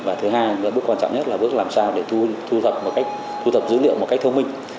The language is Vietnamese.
và thứ hai là bước quan trọng nhất là bước làm sao để thu thập dữ liệu một cách thông minh